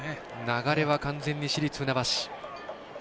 流れは完全に市立船橋。